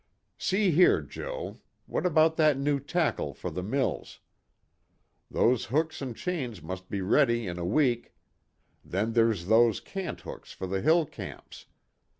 "See here, Joe, what about that new tackle for the mills? Those hooks and chains must be ready in a week. Then there's those cant hooks for the hill camps.